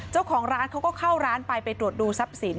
เจ้าของร้านเขาก็เข้าร้านไปไปตรวจดูทรัพย์สิน